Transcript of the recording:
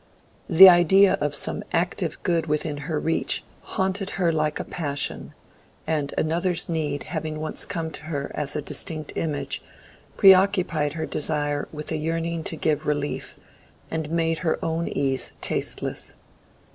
The idea of some active good within her reach, "haunted her like a passion," and another's need having once come to her as a distinct image, preoccupied her desire with the yearning to give relief, and made her own ease tasteless.